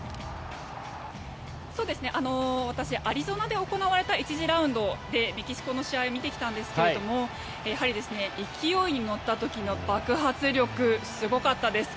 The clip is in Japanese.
私、アリゾナで行われた１次ラウンドでメキシコの試合を見てきたんですがやはり勢いに乗った時の爆発力すごかったです。